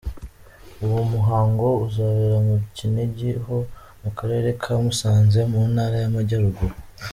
Uwo muhango uzabera mu Kinigi ho mu karere ka Musanze mu Ntara y’Amajyaruguru.